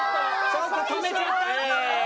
ちょっと止めちゃった？